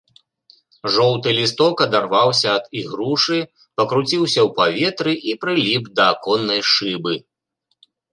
Жоўты лісток адарваўся ад ігрушы, пакруціўся ў паветры і прыліп да аконнай шыбы.